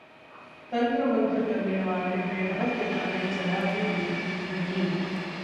तंत्र-मंत्र करने वाले बेरहम पिता ने चढ़ा दी बेटी की बलि